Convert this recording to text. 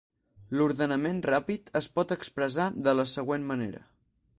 L'ordenament ràpid es pot expressar de la següent manera.